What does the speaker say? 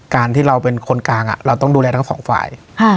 การที่เราเป็นคนกลางเราต้องดูแลทั้งสองฝ่าย